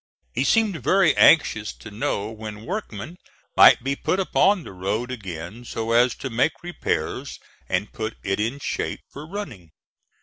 He seemed very anxious to know when workmen might be put upon the road again so as to make repairs and put it in shape for running.